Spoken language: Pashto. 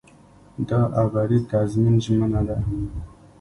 دا ابدي تضمین ژمنه ده.